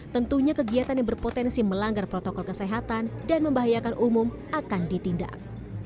tentunya kegiatan yang berpotensi melanggar protokol kesehatan dan membahayakan umum akan ditindak